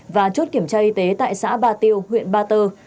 và chốt kiểm tra y tế tại xã ba tiêu huyện ba tơ